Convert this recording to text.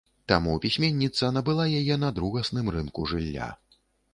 Таму пісьменніца набыла яе на другасным рынку жылля.